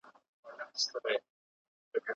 ¬ دوې هندواڼې په يوه لاس نه اخيستل کېږي.